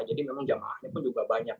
jadi memang jamaahnya pun juga banyak